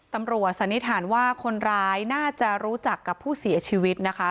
สันนิษฐานว่าคนร้ายน่าจะรู้จักกับผู้เสียชีวิตนะคะ